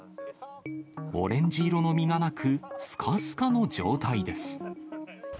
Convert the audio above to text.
オレンジ色の身がなく、すかすかの状態です。